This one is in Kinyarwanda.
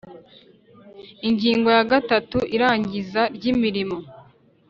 Ingingo ya gatatu Iringaniza ry imirimo